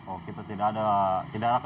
oh kita tidak ada